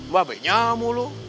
mbak benya mulu